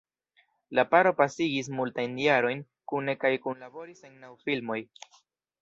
La paro pasigis multajn jarojn kune kaj kunlaboris en naŭ filmoj.